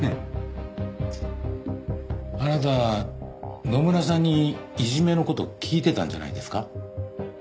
あなた野村さんにいじめの事聞いてたんじゃないですか？